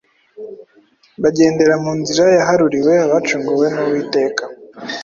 bagendera mu nzira yaharuriwe abacunguwe n’uwiteka.